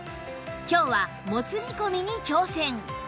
今日はもつ煮込みに挑戦